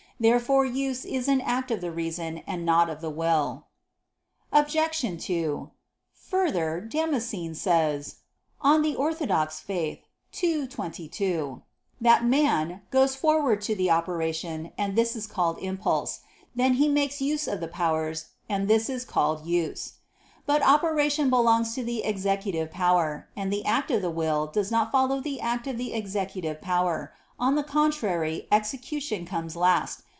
Therefore use is an act of the reason and not of the will. Obj. 2: Further, Damascene says (De Fide Orth. ii, 22) that man "goes forward to the operation, and this is called impulse; then he makes use (of the powers) and this is called use." But operation belongs to the executive power; and the act of the will does not follow the act of the executive power, on the contrary execution comes last.